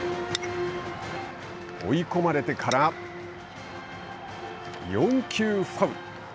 追い込まれてから４球ファウル。